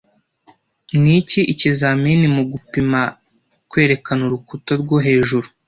Niki ikizamini mugupima kwerekana urukuta rwo hejuru